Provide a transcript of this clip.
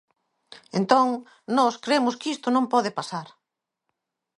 Entón, nós cremos que isto non pode pasar.